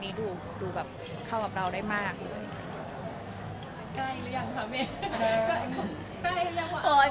ใกล้หรือยังค่ะเราก็ไม่อยากต่างงานอะไรอย่างนี้เนอะ